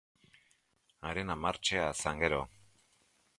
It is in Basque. Harena martxea zan gero!.